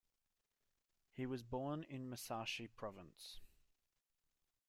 He was born in Musashi province.